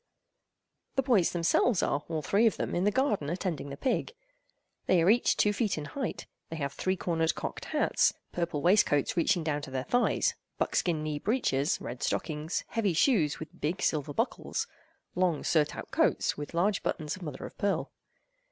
The boys themselves are, all three of them, in the garden attending the pig. They are each two feet in height. They have three cornered cocked hats, purple waistcoats reaching down to their thighs, buckskin knee breeches, red stockings, heavy shoes with big silver buckles, long surtout coats with large buttons of mother of pearl.